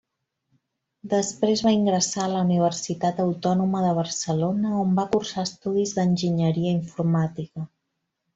Després va ingressar a la Universitat Autònoma de Barcelona on va cursar estudis d’enginyeria informàtica.